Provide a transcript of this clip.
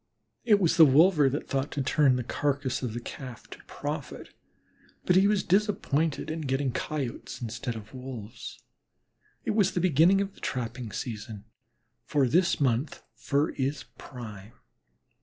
It was the wolver that thought to turn the carcass of the Calf to profit, but he was disappointed in getting Coyotes instead of Wolves. It was the beginning of the trapping season, for this month fur is prime.